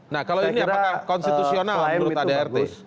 nah kalau ini apakah konstitusional menurut adrt